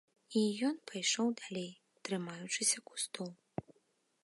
І ён пайшоў далей, трымаючыся кустоў.